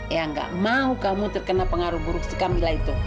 ya gak mau kamu terkena pengaruh buruk si camilla itu